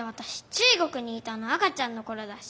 中国にいたの赤ちゃんのころだし。